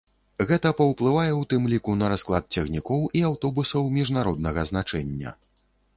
Гэта паўплывае, у тым ліку, на расклад цягнікоў і аўтобусаў міжнароднага значэння.